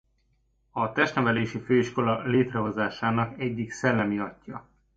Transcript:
A Testnevelési Főiskola létrehozásának egyik szellemi atyja.